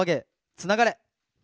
つながれ！